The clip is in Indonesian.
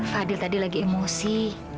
fadil tadi lagi emosi